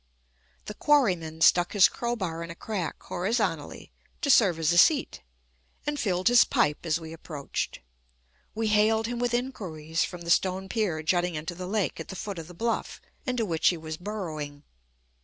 The quarryman stuck his crowbar in a crack horizontally, to serve as a seat, and filled his pipe as we approached. We hailed him with inquiries, from the stone pier jutting into the lake at the foot of the bluff into which he was burrowing.